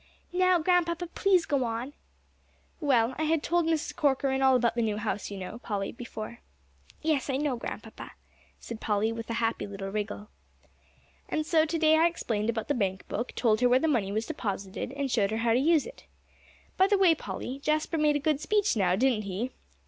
Now, Grandpapa, please go on." "Well, I had told Mrs. Corcoran all about the new house, you know, Polly, before." "Yes, I know, Grandpapa," said Polly, with a happy little wriggle. "And so to day I explained about the bank book; told her where the money was deposited, and showed her how to use it. By the way, Polly, Jasper made a good speech now, didn't he?"